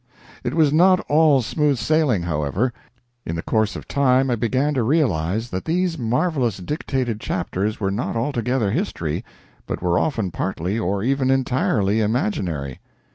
It was not all smooth sailing, however. In the course of time I began to realize that these marvelous dictated chapters were not altogether history, but were often partly, or even entirely, imaginary.